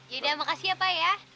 yaudah makasih ya pak ya